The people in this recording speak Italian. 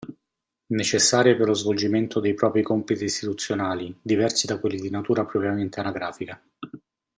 Necessarie per lo svolgimento dei propri compiti istituzionali diversi da quelli di natura propriamente anagrafica.